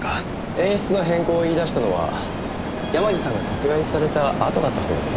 演出の変更を言い出したのは山路さんが殺害されたあとだったそうですね。